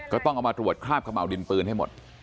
ก็ต้องเอามาตรวจคราบขม่าวดินปืนให้หมด